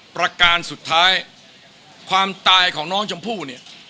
ประการสุดท้ายความตายของน้องชมพู่เนี่ย